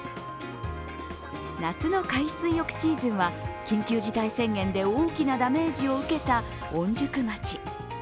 夏の海水浴シーズンは緊急事態宣言で大きなダメージを受けた御宿町。